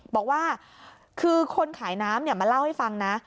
บอกว่าคือคนขายน้ำมาเล่าให้ฟังนะ